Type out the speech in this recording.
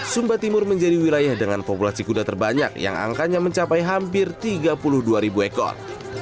sumba timur menjadi wilayah dengan populasi kuda terbanyak yang angkanya mencapai hampir tiga puluh dua ribu ekor